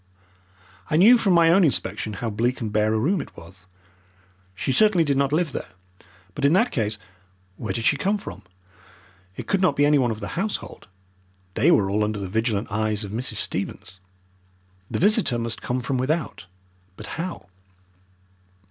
I knew from my own inspection how bleak and bare a room it was. She certainly did not live there. But in that case where did she come from? It could not be anyone of the household. They were all under the vigilant eyes of Mrs. Stevens. The visitor must come from without. But how?